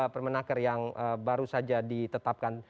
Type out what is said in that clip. permen latar yang baru saja ditetapkan